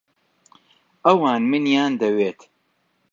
ئەوان منیان دەوێت.